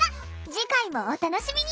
次回もお楽しみに！